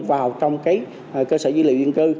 vào trong cơ sở dữ liệu dân cư